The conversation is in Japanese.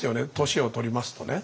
年を取りますとね。